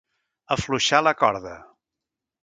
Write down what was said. Afluixar la corda.